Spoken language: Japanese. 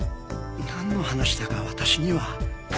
なんの話だか私には。